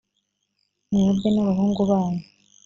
mwebwe n’abahungu banyu,